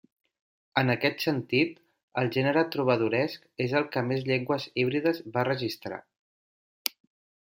En aquest sentit, el gènere trobadoresc és el que més llengües híbrides va registrar.